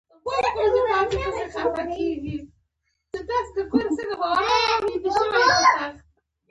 بيا بلې خوا ته ځغسته.